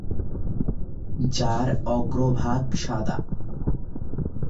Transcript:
যার অগ্রভাগ সাদা।